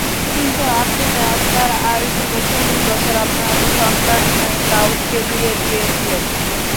কিন্তু আপনি না আপনার আয়ু থেকে চল্লিশ বছর আপনার সন্তান দাউদকে দিয়ে দিয়েছিলেন।